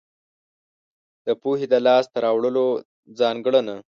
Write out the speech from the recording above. د پوهې د لاس ته راوړلو ځانګړنه.